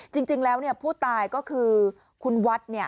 จริงแล้วผู้ตายก็คือคุณวัด